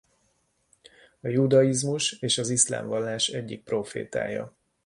A judaizmus és az iszlám vallás egyik prófétája.